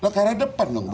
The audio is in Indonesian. loh ke arah depan nunggu